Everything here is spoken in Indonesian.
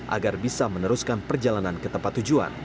agar bisa meneruskan perjalanan ke tempat tujuan